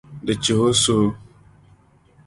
Di chihi o suhu.